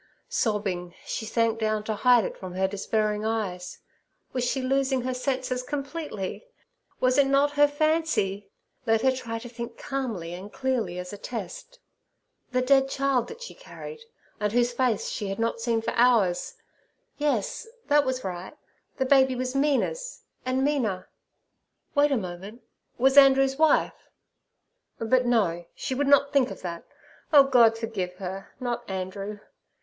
Sobbing, she sank down to hide it from her despairing eyes. Was she losing her senses completely? Was it not her fancy? Let her try to think calmly and clearly as a test. This dead child that she carried, and whose face she had not seen for hours; yes, that was right. The baby was Mina's, and Mina—wait a moment—was Andrew's wife. But no—she would not think of that. Oh, God forgive her! not Andrew.